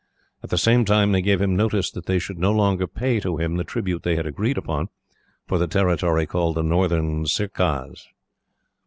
At the same time, they gave him notice that they should no longer pay to him the tribute they had agreed upon, for the territory called the Northern Circars.